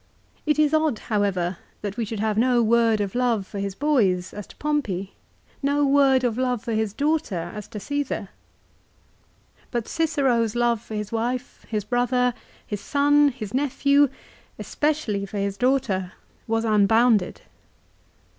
It is odd, however, that we should have no word of love for his boys, as to Pompey ; no word of love for his daughter, as to Csesar. But Cicero's love for his wife, his brother, his son, his nephew, especially for his daughter was unbounded.